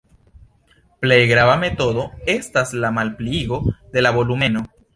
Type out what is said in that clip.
Plej grava metodo estas la malpliigo de la volumeno.